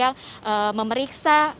akan ada petugas yang memeriksa